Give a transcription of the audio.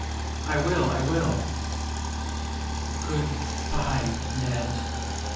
"I will! I will!" "Good bye, Ned."